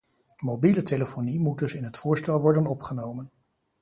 Mobiele telefonie moet dus in het voorstel worden opgenomen.